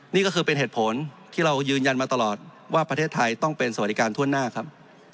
นี่ก็คือเป็นเหตุผลที่เรายืนยันมาตลอดว่าประเทศไทยต้องเป็นสวัสดิการทั่วหน้าครับ